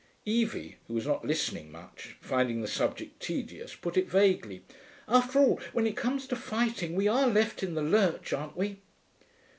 Evie, who was not listening much, finding the subject tedious, put in vaguely, 'After all, when it comes to fighting, we are left in the lurch, aren't we?'